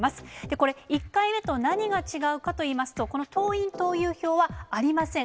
これ、１回目と何が違うかといいますと、この党員・党友票はありません。